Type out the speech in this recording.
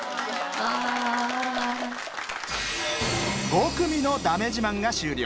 ５組のだめ自慢が終了。